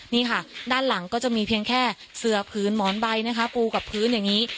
นี่ค่ะด้านหลังก็จะมีเพียงแค่เสือพื้นหมอนใบนะคะปูกับพื้นอย่างนี้